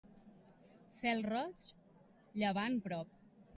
Cel roig, llevant prop.